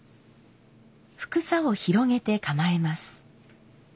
帛紗を広げて構えます。